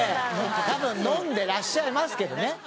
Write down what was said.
多分飲んでらっしゃいますけどね。